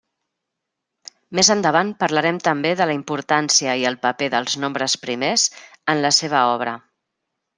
Més endavant parlarem també de la importància i el paper dels nombres primers en la seva obra.